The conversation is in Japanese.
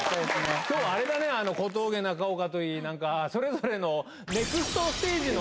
今日小峠中岡といいそれぞれの。